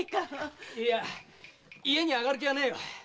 いや家に上がる気はねえ。